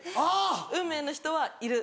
「運命の人はいる。